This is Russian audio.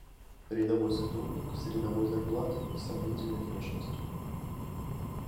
Рядовой сотрудник с рядовой зарплатой и сомнительной внешностью.